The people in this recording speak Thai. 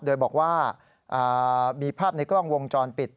โดยบอกว่ามีภาพในกล้องวงจรปิด